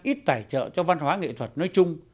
ít tài trợ cho văn hóa nghệ thuật nói chung